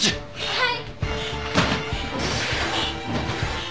はい。